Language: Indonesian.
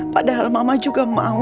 pada hal mama juga mau